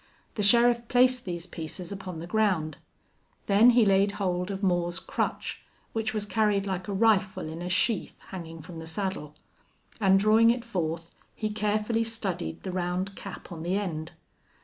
The sheriff placed these pieces upon the ground. Then he laid hold of Moore's crutch, which was carried like a rifle in a sheath hanging from the saddle, and, drawing it forth, he carefully studied the round cap on the end.